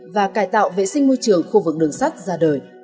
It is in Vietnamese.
và cải tạo vệ sinh môi trường khu vực đường sắt ra đời